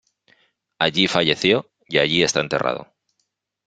Allí falleció y allí está enterrado.